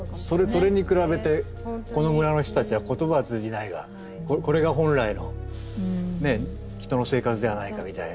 それに比べてこの村の人たちは言葉は通じないがこれが本来の人の生活ではないかみたいなのがあったかもしれないですね。